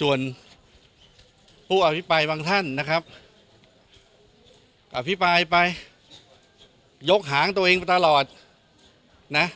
ส่วนผู้อภิปรายบางท่านนะครับอภิปรายไปยกหางตัวเองไปตลอดนะ